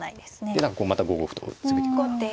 で何かこうまた５五歩とぶつけていくかな。